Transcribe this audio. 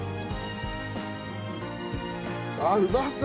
あっうまそう！